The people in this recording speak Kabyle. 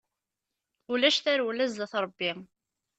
Ulac tarewla zdat Ṛebbi.